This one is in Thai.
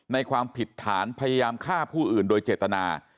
ความผิดฐานพยายามฆ่าผู้อื่นโดยเจตนา